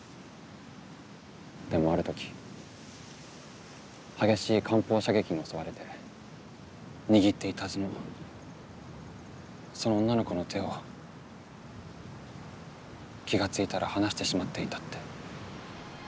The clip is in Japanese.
でもある時激しい艦砲射撃に襲われて握っていたはずのその女の子の手を気が付いたら離してしまっていたって。